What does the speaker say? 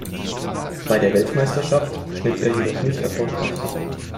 Bei der Weltmeisterschaft schnitt er jedoch nicht erfolgreich ab.